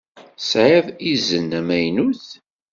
Tesɛiḍ izen amaynut.